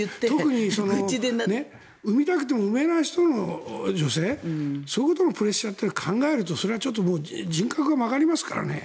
特に産みたくても産めない女性そういうプレッシャーを考えるとそれは人格が曲がりますからね。